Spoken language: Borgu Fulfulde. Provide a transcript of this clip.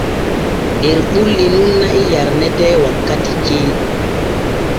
Der ɓulli nun na'i yarnete wankati ceeɗu.